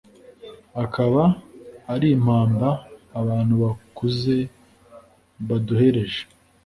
akaba ari impamba abantu bakuze baduhereje